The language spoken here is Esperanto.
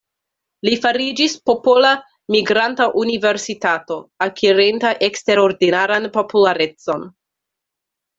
Li fariĝis popola "migranta universitato", akirinta eksterordinaran popularecon.